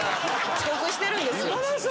遅刻してるんですよ。